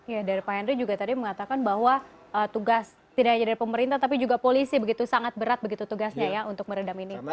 ya dari pak henry juga tadi mengatakan bahwa tugas tidak hanya dari pemerintah tapi juga polisi begitu sangat berat begitu tugasnya ya untuk meredam ini